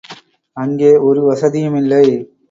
அங்கே ஒரு வசதியுமில்லை.